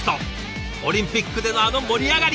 オリンピックでのあの盛り上がり！